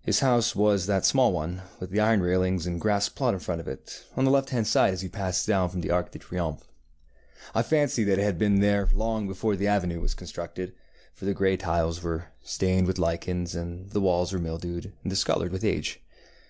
His house was that small one, with the iron railings and grass plot in front of it, on the left hand side as you pass down from the Arc de Triomphe. I fancy that it had been there long before the avenue was constructed, for the grey tiles were stained with lichens, and the walls were mildewed and discoloured with age.